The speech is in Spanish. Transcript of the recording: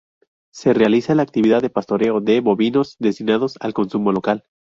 Se realiza la actividad de pastoreo de bovinos destinados al consumo local.